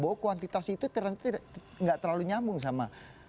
bahwa kuantitas itu tidak terlalu nyambung sama